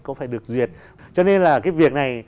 có phải được duyệt cho nên là cái việc này